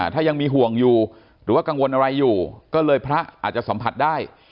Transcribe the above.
ถ้ายังมีห่วงอยู่หรือว่ากังวลอะไรอยู่ก็เลยพระอาจจะสัมผัสได้